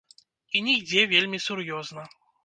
І не ідзе вельмі сур'ёзна.